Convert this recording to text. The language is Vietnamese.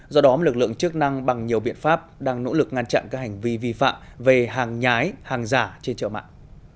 do đó lực lượng chức năng bằng nhiều biện pháp đang nỗ lực ngăn chặn các hành vi vi phạm về hàng nhái hàng giả trên chợ mạng